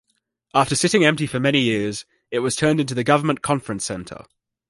After sitting empty for many years, it was turned into the Government Conference Centre.